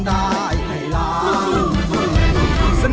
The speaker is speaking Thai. ร้องได้ให้ร้าง